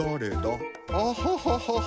アハハハハ。